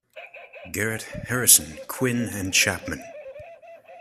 Garrett, Harrison, Quinn and chapman.